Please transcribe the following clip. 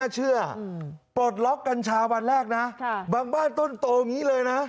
เชื่อปลดล็อกกัญชาวันแรกนะบางบ้านต้นโตอย่างนี้เลยนะ